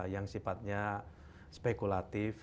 yang sifatnya spekulatif